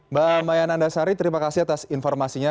mbak maya nandasari terima kasih atas informasinya